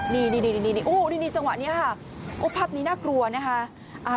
นี่จังหวะนี้พัดนี้น่ากลัวนะคะ